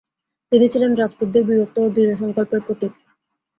তিনি ছিলেন রাজপুতদের বীরত্ব ও দৃঢ় সংকল্পের প্রতীক।